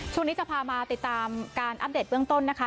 ช่วงนี้จะพามาติดตามการอัปเดตเบื้องต้นนะคะ